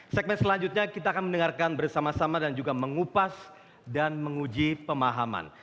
segmen selanjutnya kita akan mendengarkan bersama sama dan juga mengupas dan menguji pemahaman